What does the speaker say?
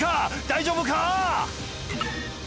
大丈夫か？